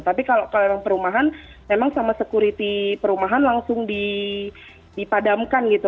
tapi kalau perumahan memang sama security perumahan langsung dipadamkan gitu